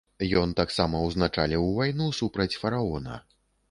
Ён таксама ўзначаліў вайну супраць фараона.